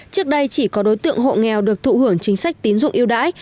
trước đây chỉ có đối tượng hộ nghèo được thụ hưởng chính sách tín dụng yêu đãi